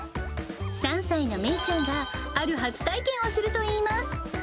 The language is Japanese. ３歳の芽衣ちゃんが、ある初体験をするといいます。